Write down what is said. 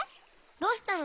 どうしたの？